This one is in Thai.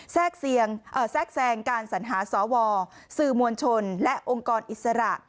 แทรกแทรงการสัญหาสวสื่อมวลชนและองค์กรอิสระ